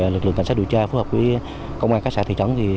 lực lượng cảnh sát điều tra phối hợp với công an các xã thị trấn